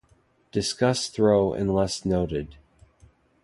Discus throw unless noted.